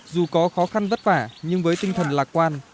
dù có khó khăn vất vả nhưng với tinh thần lạc quan